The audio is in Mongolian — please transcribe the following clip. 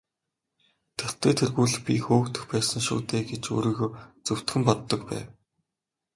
Тэртэй тэргүй л би хөөгдөх байсан шүү дээ гэж өөрийгөө зөвтгөн боддог байв.